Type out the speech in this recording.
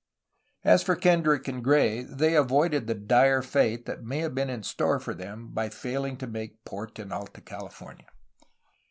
As for Kendrick and Gray, they avoided the dire (?) fate that may have been in store for them by failing to make port in Alta California.